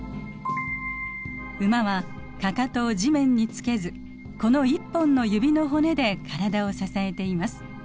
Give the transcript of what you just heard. ウマはかかとを地面につけずこの１本の指の骨で体を支えています。